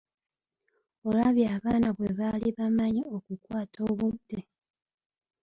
Olabye abaana bwe baali bamanyi okukwata obudde!